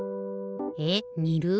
えっにる？